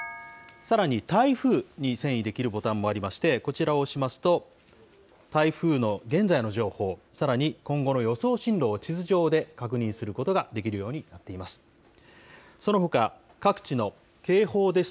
さらに、台風に遷移できるボタンもありまして、こちらを押しますと、台風の現在の情報、さらに今後の予想進路を地図上で確認することができるようになっています。